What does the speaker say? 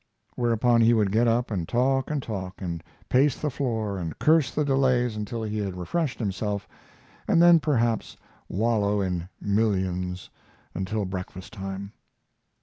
Whereupon he would get up and talk and talk, and pace the floor and curse the delays until he had refreshed himself, and then perhaps wallow in millions until breakfast time.